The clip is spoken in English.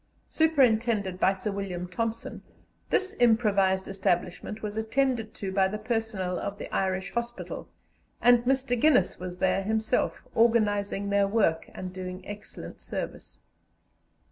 Superintended by Sir William Thompson, this improvised establishment was attended to by the personnel of the Irish hospital, and Mr. Guinness was there himself, organizing their work and doing excellent service.